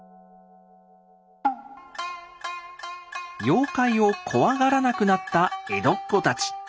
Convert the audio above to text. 妖怪を怖がらなくなった江戸っ子たち。